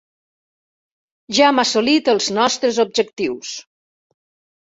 Ja hem assolit els nostres objectius.